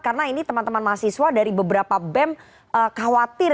karena ini teman teman mahasiswa dari beberapa bem khawatir